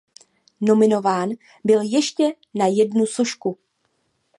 Nominován byl ještě na jednu sošku.